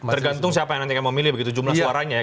tergantung siapa yang nanti akan memilih begitu jumlah suaranya ya